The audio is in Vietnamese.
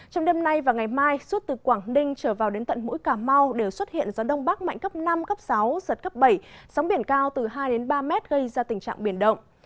trong đêm nay và ngày mai suốt từ quảng ninh trở vào đến tận mũi cà mau đều xuất hiện gió đông bắc mạnh cấp năm cấp sáu giật cấp bảy sóng biển cao từ hai ba mét gây ra tình trạng biển động